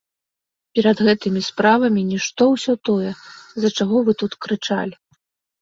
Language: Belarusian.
Перад гэтымі справамі нішто ўсё тое, з-за чаго вы тут крычалі.